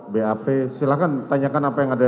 bap silahkan tanyakan apa yang ada